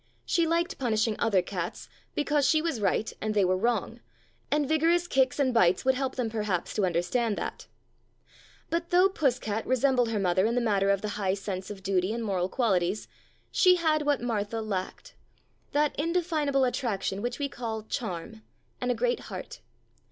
She liked punishing other cats, because she was right and they were wrong, and vigorous kicks and bites would help them perhaps to understand that. But though Puss cat resembled her mother in the matter of the high sense of duty and moral qualities, she had what Martha lacked : that indefinable attrac tion which we call charm, and a great heart.